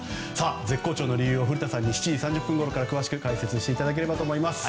絶好調の理由を古田さんに７時３０分ごろから詳しく解説していただければと思います。